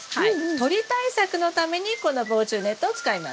鳥対策のためにこの防虫ネットを使います。